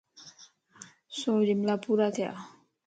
سوجملا پورا ٿيا؟